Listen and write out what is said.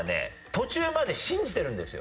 途中まで信じてるんですよ